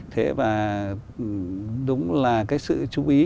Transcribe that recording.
thế và đúng là cái sự chú ý